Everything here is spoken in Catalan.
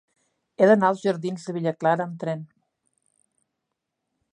He d'anar als jardins de Villa Clara amb tren.